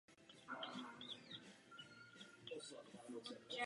Hnízdí ve většině Evropy a západní Asii.